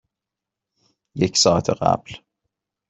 یک ساعت قبل.